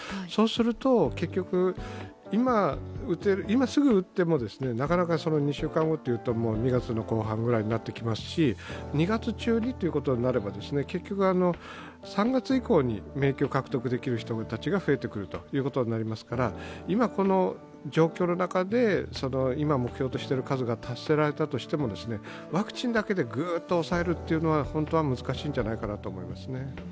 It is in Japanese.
そうすると結局、今すぐ打っても、なかなか２週間後というと２月後半くらいになってきますし２月中にということになれば結局、３月以降に免疫を獲得できる人たちが増えてくるということになりますから、今この状況の中で今目標としている数が達せられたとしてもワクチンだけでグーッと抑えるというのは本当は難しいんじゃないかと思います。